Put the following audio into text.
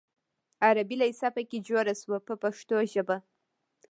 حربي لېسه په کې جوړه شوه په پښتو ژبه.